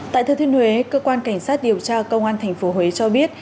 tại thư thiên huế cơ quan cảnh sát điều tra công an tp huế cho biết